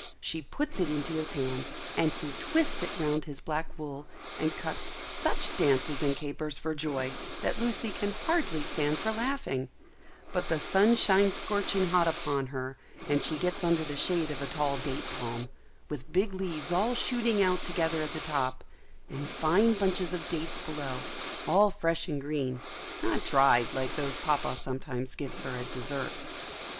She puts it into his hand, and he twists it round his black wool, and cuts such dances and capers for joy that Lucy can hardly stand for laughing; but the sun shines scorching hot upon her, and she gets under the shade of a tall date palm, with big leaves all shooting out together at the top, and fine bunches of dates below, all fresh and green, not dried like those Papa sometimes gives her at dessert.